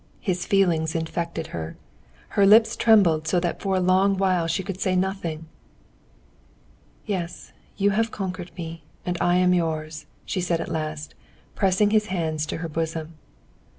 His feeling infected her. Her lips trembled so that for a long while she could say nothing. "Yes, you have conquered me, and I am yours," she said at last, pressing his hands to her bosom.